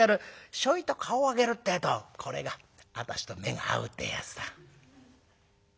ちょいと顔を上げるってえとこれが私と目が合うってやつだ」。